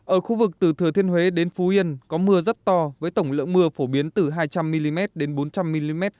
ở khu vực từ thừa thiên huế đến phú yên có mưa rất to với tổng lượng mưa phổ biến từ hai trăm linh mm đến bốn trăm linh mm